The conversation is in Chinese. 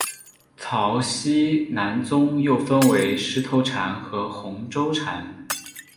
曹溪南宗又分为石头禅和洪州禅。